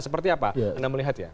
seperti apa anda melihat ya